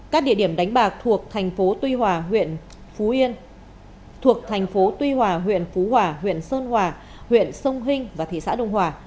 các địa điểm đánh bạc thuộc tp tuy hòa huyện phú yên tp tuy hòa huyện phú hòa huyện sơn hòa huyện sông hinh và thị xã đồng hòa